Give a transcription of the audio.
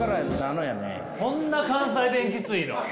そんな関西弁キツイの！？